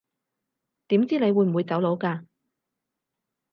點知你會唔會走佬㗎